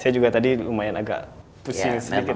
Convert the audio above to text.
saya juga tadi lumayan agak pusing segitu ya